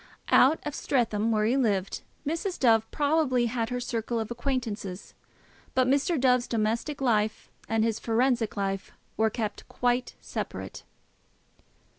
Out at Streatham, where he lived, Mrs. Dove probably had her circle of acquaintance; but Mr. Dove's domestic life and his forensic life were kept quite separate.